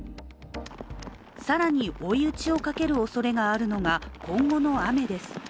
更に追い打ちをかけるおそれがあるのが今後の雨です。